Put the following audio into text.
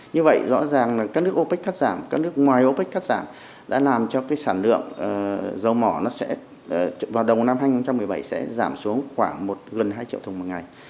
như vậy rõ ràng là các nước ngoài opec cắt giảm đã làm cho sản lượng dầu mỏ vào đầu năm hai nghìn một mươi bảy sẽ giảm xuống khoảng gần hai triệu thùng một ngày